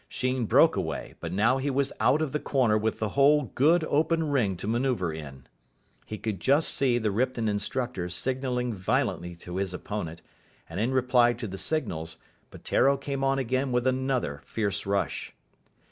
Sheen broke away, but now he was out of the corner with the whole good, open ring to manoeuvre in. He could just see the Ripton instructor signalling violently to his opponent, and, in reply to the signals, Peteiro came on again with another fierce rush.